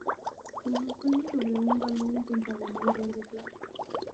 Se suspende sobre un galón pentagonal verde claro.